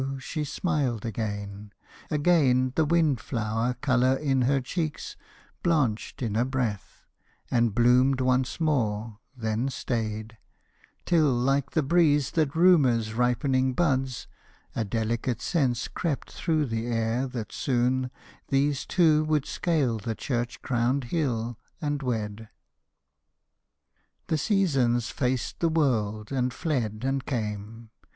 she smiled again; Again the wind flower color in her cheeks Blanch'd in a breath, and bloomed once more; then stayed; Till, like the breeze that rumors ripening buds, A delicate sense crept through the air that soon These two would scale the church crowned hill, and wed. The seasons faced the world, and fled, and came.